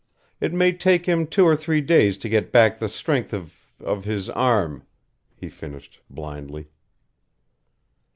It may take him two or three days to get back the strength of of his arm," he finished, blindly.